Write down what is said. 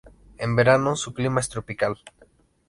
En verano su clima es tropical.